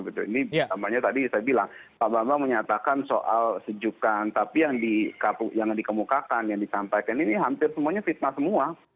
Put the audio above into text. ini tadi saya bilang pak bambang menyatakan soal sejukan tapi yang dikemukakan yang disampaikan ini hampir semuanya fitnah semua